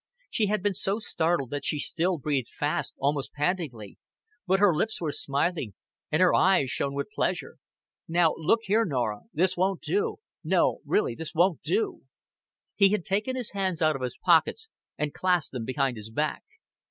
She had been so startled that she still breathed fast, almost pantingly; but her lips were smiling, and her eyes shone with pleasure. "Now look here, Norah; this won't do no, really this won't do." He had taken his hands out of his pockets and clasped them behind his back.